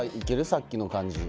さっきの感じ